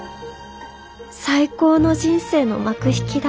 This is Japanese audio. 最高の人生の幕引きだ